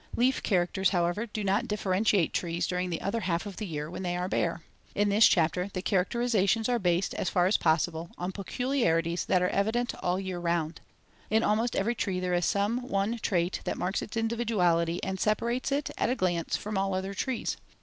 Leaf characters, however, do not differentiate the trees during the other half of the year when they are bare. In this chapter the characterizations are based, as far as possible, on peculiarities that are evident all year round. In almost every tree there is some one trait that marks its individuality and separates it, at a glance, from all other trees.